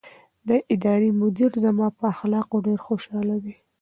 د ادارې مدیر زما په اخلاقو ډېر خوشحاله دی.